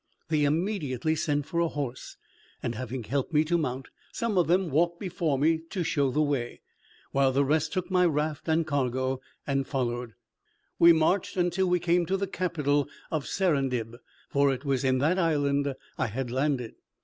They immediately sent for a horse, and having helped me to mount, some of them walked before to show the way, while the rest took my raft and cargo and followed. We marched till we came to the capital of Serendib, for it was in that island I had landed.